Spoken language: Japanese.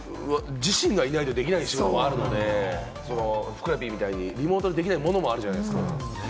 我々の場合、自身がいないとできない仕事もあるので、ふくらＰみたいにリモートでできないものもあるじゃないですか。